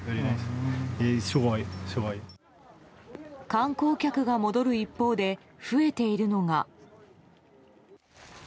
観光客が戻る一方で増えているのが。